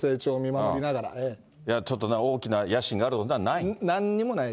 ちょっと、大きな野心があるとかはない？